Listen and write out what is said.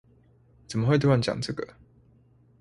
怎麼會突然講這個